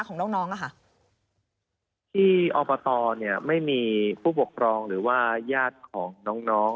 ของน้องน้องอะค่ะที่อบตเนี่ยไม่มีผู้ปกครองหรือว่าญาติของน้องน้อง